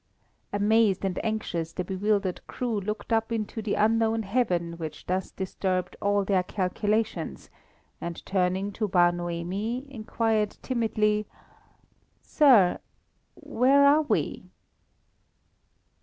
Amazed and anxious, the bewildered crew looked up into the unknown heaven which thus disturbed all their calculations, and turning to Bar Noemi, inquired timidly "Sir! where are we?"